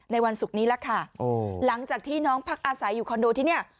วันศุกร์นี้ล่ะค่ะหลังจากที่น้องพักอาศัยอยู่คอนโดที่เนี่ย